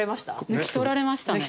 抜き取られましたね。